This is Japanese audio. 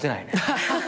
ハハハ